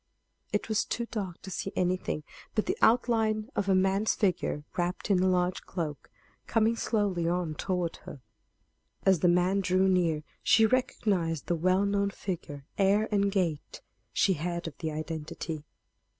It was too dark to see anything but the outline of a man's figure wrapped in a large cloak, coming slowly on toward her. As the man drew near she recognized the well known figure, air and gait; she had of the identity.